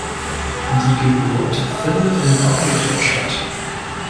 Die Geburt findet inkognito statt.